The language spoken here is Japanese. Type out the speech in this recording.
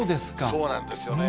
そうなんですよね。